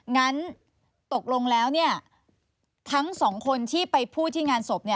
งั้นตกลงแล้วทั้งสองคนที่ไปพูดที่งานศพ